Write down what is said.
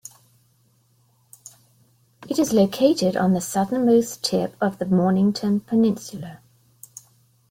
It is located on the southernmost tip of the Mornington Peninsula.